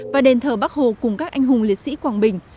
và đền thờ bắc hồ cùng các anh hùng liệt sĩ quảng bình